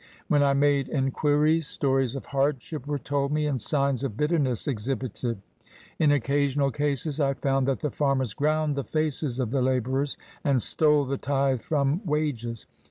When I made en quiries, stories of hardship were told me and signs of bitterness exhibited. In occasional cases I found that the farmers ground the faces of the labourers, and stole the tithe from wages.